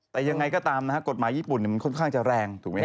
แต่ยังไงก็ตามนะฮะกฎหมายญี่ปุ่นมันค่อนข้างจะแรงถูกไหมฮ